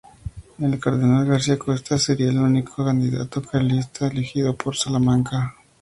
El cardenal García Cuesta sería el único candidato carlista elegido por Salamanca.